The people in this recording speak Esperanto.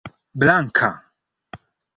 blanka